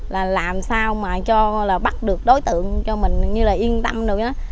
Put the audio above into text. là làm sao mà cho là bắt được đối tượng cho mình như là yên tâm đối với nó